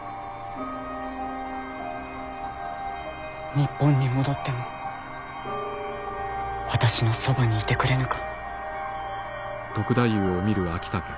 日本に戻っても私のそばにいてくれぬか。